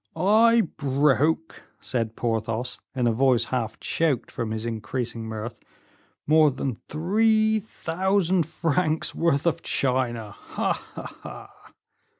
"I broke," said Porthos, in a voice half choked from his increasing mirth, "more than three thousand francs worth of china ha, ha, ha!"